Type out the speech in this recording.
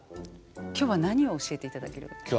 今日は何を教えていただけるんですか？